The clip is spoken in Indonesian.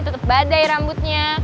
tetep badai rambutnya